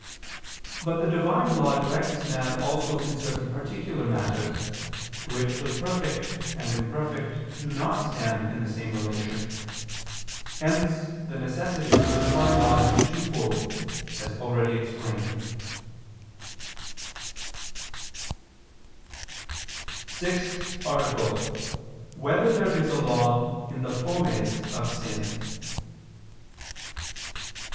But the Divine law directs man also in certain particular matters, to which the perfect and imperfect do not stand in the same relation. Hence the necessity for the Divine law to be twofold, as already explained. ________________________ SIXTH ARTICLE [I II, Q. 91, Art. 6] Whether There Is a Law in the Fomes of Sin?